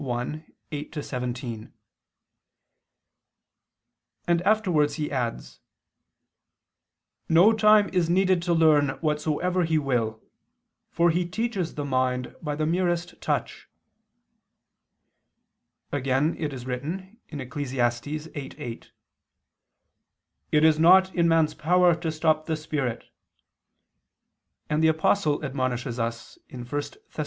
1:8 17]," and afterwards he adds: "No time is needed to learn whatsoever He will, for He teaches the mind by the merest touch." Again it is written (Eccles. 8:8), "It is not in man's power to stop the Spirit," and the Apostle admonishes us (1 Thess.